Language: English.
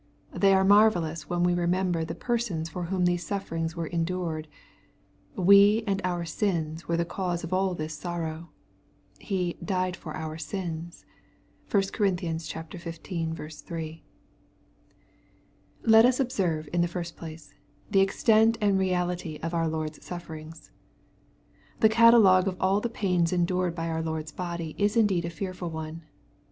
They are marvellous when we remember the persons for whom these sufferings were endured. We and our sins were the cause of all thig sorrow. He " died for our sins/' (1 Cor. xv. 3.) Let us observe in the first place, the extent and reality of our Lord's sufferings. The catalogue of all the pains endured by our Lord's body, is indeed a fearful one.